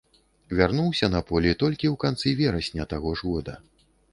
Вярнуўся на поле толькі ў канцы верасня таго ж года.